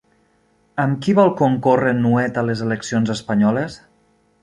Amb qui vol concórrer Nuet a les eleccions espanyoles?